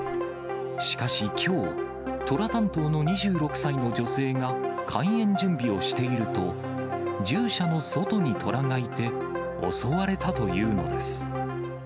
しかしきょう、トラ担当の２６歳の女性が、開園準備をしていると、獣舎の外にトラがいて、襲われたというのです。